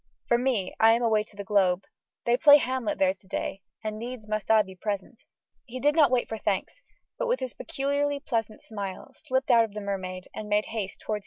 For me, I am away to the Globe. They play Hamlet there to day, and needs must I be present." He did not wait for thanks, but, with his peculiarly pleasant smile, slipped out of the Mermaid, and made haste towards his theatre.